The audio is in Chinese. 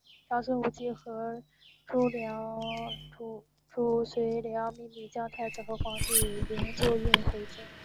长孙无忌和褚遂良秘密将太子和皇帝的灵柩运送回京。